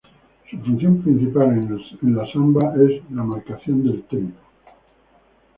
Su función principal en el samba es la marcación del "tempo".